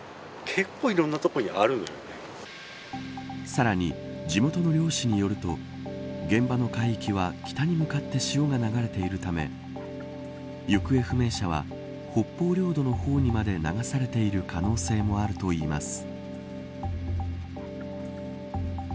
さらに地元の漁師によると現場の海域は北に向かって潮が流れているため行方不明者は北方領土の方にまで流されている可能性もあるといいます。